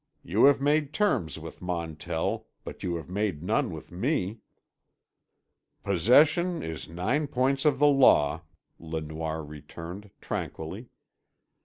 You have made terms with Montell—but you have made none with me." "Possession is nine points of the law," Le Noir returned tranquilly.